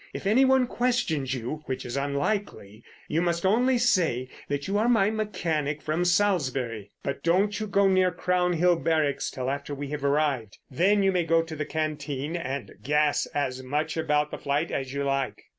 If anyone questions you—which is unlikely—you must only say that you are my mechanic from Salisbury. But don't you go near Crownhill Barracks till after we have arrived; then you may go to the canteen and 'gas' as much about the flight as you like."